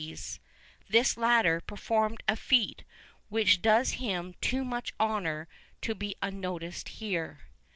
[V 34] This latter performed a feat which does him too much honour to be unnoticed here.